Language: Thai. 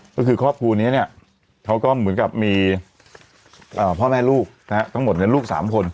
ก็คือครอบครัวนี้เนี่ยเขาก็เหมือนกับมีพ่อแม่ลูกทั้งหมดลูก๓คน